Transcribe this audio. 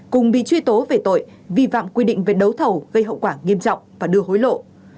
cùng bị truy tố về tội vi phạm quy định về đấu thầu gây hậu quả nghiêm trọng và đưa hối lộ